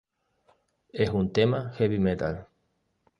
Es un tema "heavy metal".